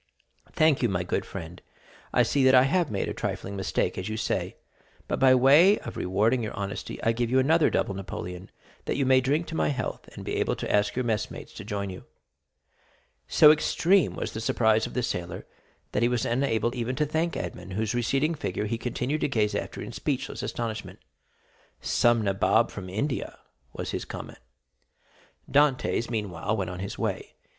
"Thank you, my good friend. I see that I have made a trifling mistake, as you say; but by way of rewarding your honesty I give you another double Napoleon, that you may drink to my health, and be able to ask your messmates to join you." So extreme was the surprise of the sailor, that he was unable even to thank Edmond, whose receding figure he continued to gaze after in speechless astonishment. "Some nabob from India," was his comment. Dantès, meanwhile, went on his way.